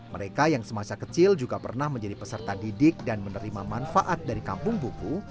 mereka yang semasa kecil juga pernah menjadi peserta didik dan menerima manfaat dari kampung buku